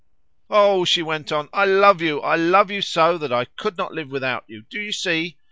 "Oh," she went on, "I love you! I love you so that I could not live without you, do you see?